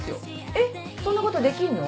えっそんなことできんの？